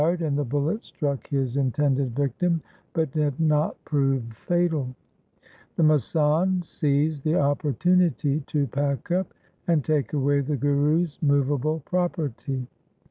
He fired and the bullet struck his intended victim, but did not prove fatal. The masand seized the opportunity to pack up and take away the Guru's movable property.